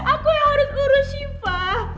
aku yang harus urus syifa